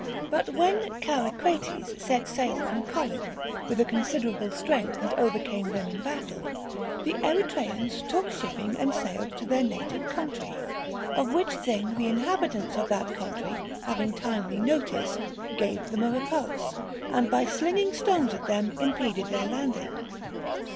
But when Charicrates set sail from Corinth with a considerable strength and overcame them in battle, the Eretrians took shipping and sailed to their native country ; of which thing the inhabitants of that country having timely notice, gave them a repulse, and by slinging stones at them impeded their landing.